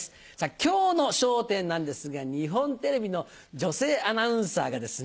今日の『笑点』なんですが日本テレビの女性アナウンサーがですね